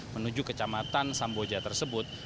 menuju kecamatan samboja tersebut